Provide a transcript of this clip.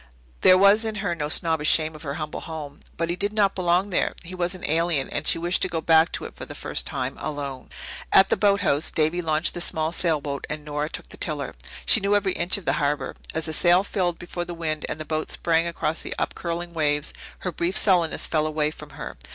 There was in her no snobbish shame of her humble home. But he did not belong there; he was an alien, and she wished to go back to it for the first time alone. At the boathouse Davy launched the small sailboat and Nora took the tiller. She knew every inch of the harbour. As the sail filled before the wind and the boat sprang across the upcurling waves, her brief sullenness fell away from her.